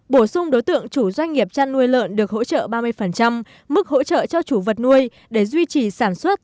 bổ sung đối tượng chủ doanh nghiệp chăn nuôi lợn được hỗ trợ ba mươi mức hỗ trợ cho chủ vật nuôi để duy trì sản xuất